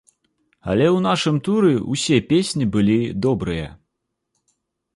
Але ў нашым туры ўсе песні былі добрыя.